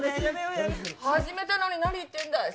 始めたのに何言ってんだい